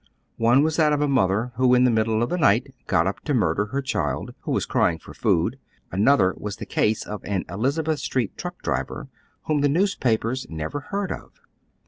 One was that of a mother who in the middle of the night got up to murder her child, who was crying for food ; another was the case of an Elizabeth Street truck driver ■ whom the newspapers never heard of.